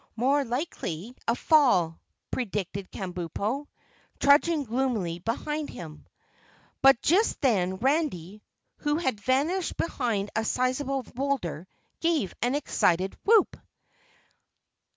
"More likely a fall," predicted Kabumpo, trudging gloomily behind him. But just then, Randy, who had vanished behind a sizable boulder, gave an excited whoop.